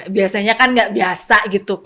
biasanya kan nggak biasa gitu